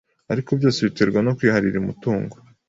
ariko byose biterwa no kwiharira umutungo